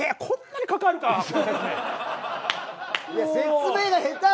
こんなにかかるかな。